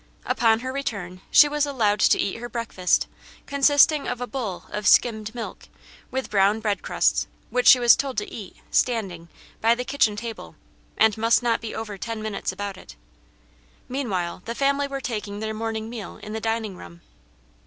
Upon her return she was allowed to eat her breakfast, consisting of a bowl of skimmed milk, with brown bread crusts, which she was told to eat, standing, by the kitchen table, and must not be over ten minutes about it. Meanwhile the family were taking their morning meal in the dining room.